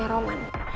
gak ada orang